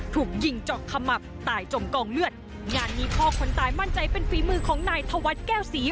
ถูกยิงเจาะขมับตายจมกองเลือดงานนี้พ่อคนตายมั่นใจเป็นฝีมือของนายธวัฒน์แก้วศรี